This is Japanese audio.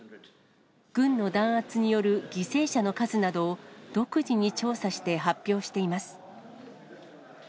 軍の弾圧による犠牲者の数などを、独自に調査して発表しています。